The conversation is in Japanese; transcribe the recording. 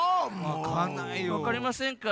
わかりませんか？